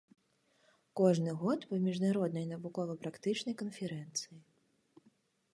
Кожны год па міжнароднай навукова-практычнай канферэнцыі.